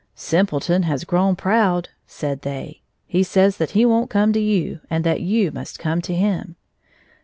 " Sim pleton has grown proud," said they; " he says that he won't come to you and that you must come to him."